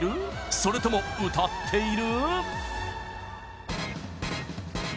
それとも歌っている？